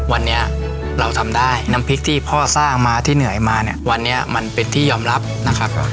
วันนี้เราทำได้น้ำพริกที่พ่อสร้างมาที่เหนื่อยมาเนี่ยวันนี้มันเป็นที่ยอมรับนะครับ